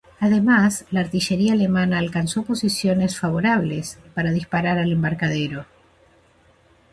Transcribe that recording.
Además, la artillería alemana alcanzó posiciones favorables para disparar al embarcadero.